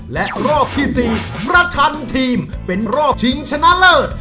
และรอบที่๔ประชันทีมเป็นรอบชิงชนะเลิศ